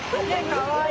かわいい。